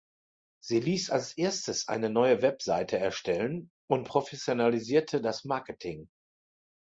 Sie ließ als erstes eine neue Webseite erstellen und professionalisierte das Marketing.